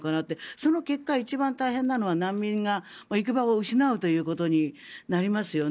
その結果、一番大変なのは難民が行き場を失うということになりますよね。